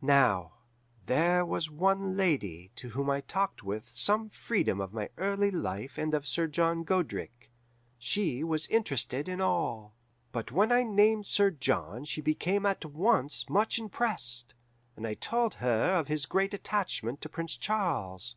"Now, there was one lady to whom I talked with some freedom of my early life and of Sir John Godric. She was interested in all, but when I named Sir John she became at once much impressed, and I told her of his great attachment to Prince Charles.